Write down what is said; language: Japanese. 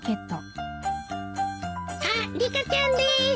あっリカちゃんです！